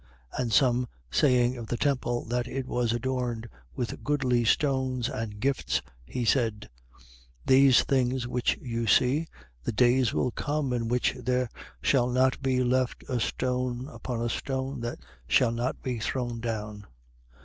21:5. And some saying of the temple that it was adorned with goodly stones and gifts, he said: 21:6. These things which you see, the days will come in which there shall not be left a stone upon a stone that shall not be thrown down.